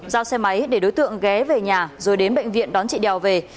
giao xe máy để đối tượng ghé về nhà rồi đến bệnh viện đón chị đèo về